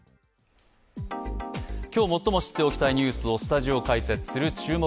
今日、最も知っておきたいニュースをスタジオ解説する「注目！